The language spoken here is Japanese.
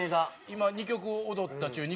今２曲踊った中２